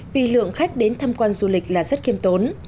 vì lượng khách đến thăm quan du lịch là rất kiêm tốn